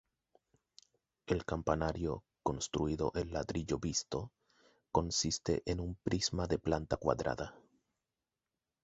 El campanario, construido en ladrillo visto, consiste en un prisma de planta cuadrada.